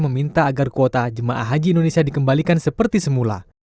meminta agar kuota jemaah haji indonesia dikembalikan seperti semula